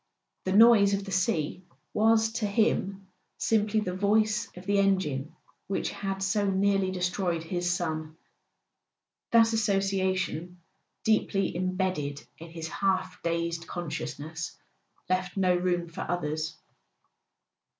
The noise of the sea was to him simply the voice of the engine which had so nearly destroyed his son: that association, deeply imbedded in his half dazed consciousness, left no room for others.